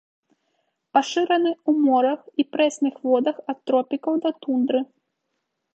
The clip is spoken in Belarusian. Пашыраны ў морах і прэсных водах ад тропікаў да тундры.